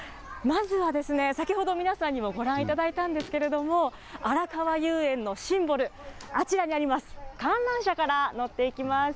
まずはですね、先ほど皆さんにもご覧いただいたんですけれども、あらかわ遊園のシンボル、あちらにあります、観覧車から乗っていきます。